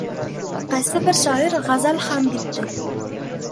Qaysi bir shoir g‘azal ham bitdi.